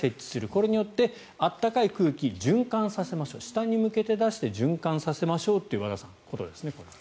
これによって暖かい空気を循環させましょう下に向けて出して循環させましょうということですね。